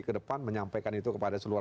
ke depan menyampaikan itu kepada seluruh